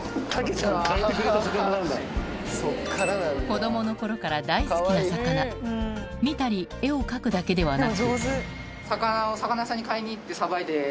子供の頃から大好きな魚見たり絵を描くだけではなくさばくんだ！